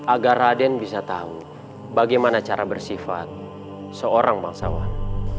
agar raden bisa tahu bagaimana cara bersifat seorang bangsawan